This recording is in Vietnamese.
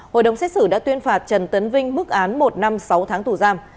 hội đồng xét xử đã tuyên phạt trần tấn vinh mức án một năm sáu tháng tù giam